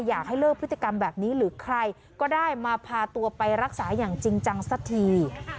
อยากให้เลิกพฤติกรรมแบบนี้หรือใครก็ได้มาพาตัวไปรักษาอย่างจริงจังสักที